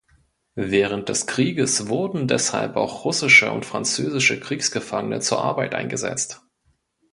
Während des Krieges wurden deshalb auch russische und französische Kriegsgefangene zur Arbeit eingesetzt.